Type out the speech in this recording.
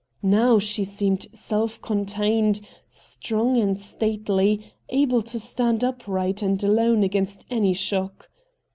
Now she seemed self contained, strong and stately, able to stand upright and alone against any shock.